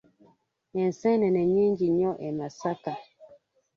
Enseenene nnyingi nnyo e Masaka.